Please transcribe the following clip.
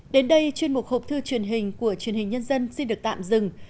đến đây chuyên mục hộp thư truyền hình của truyền hình nhân dân xin được tạm dừng